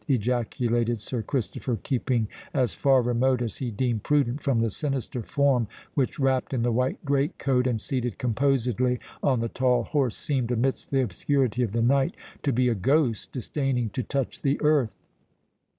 ejaculated Sir Christopher, keeping as far remote as he deemed prudent from the sinister form which, wrapped in the white great coat, and seated composedly on the tall horse, seemed, amidst the obscurity of the night, to be a ghost disdaining to touch the earth.